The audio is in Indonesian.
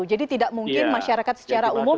jadi tidak mungkin masyarakat secara umum